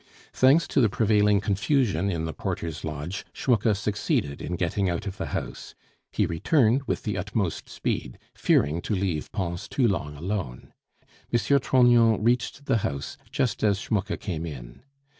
Thanks to the prevailing confusion in the porter's lodge, Schmucke succeeded in getting out of the house. He returned with the utmost speed, fearing to leave Pons too long alone. M. Trognon reached the house just as Schmucke came in.